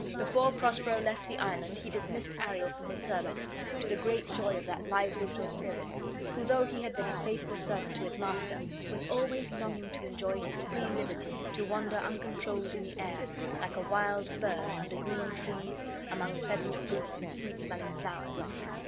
Before Prospero left the island he dismissed Ariel from service, to the great joy of that lively little spirit, who, though he had been a faithful servant to his master, was always longing to enjoy his free liberty, to wander uncontrolled in the air, like a wild bird, under green trees, among pleasant fruits, and sweet smelling flowers.